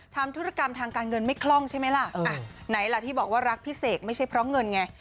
ธุรกรรมทางการเงินไม่คล่องใช่ไหมล่ะไหนล่ะที่บอกว่ารักพี่เสกไม่ใช่เพราะเงินไง